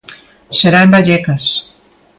Será en Vallecas.